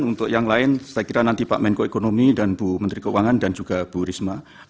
untuk yang lain saya kira nanti pak menko ekonomi dan bu menteri keuangan dan juga bu risma